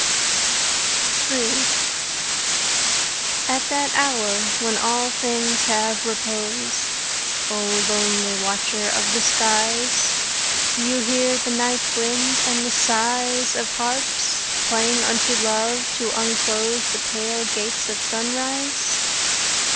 III At that hour when all things have repose, O lonely watcher of the skies, Do you hear the night wind and the sighs Of harps playing unto Love to unclose The pale gates of sunrise?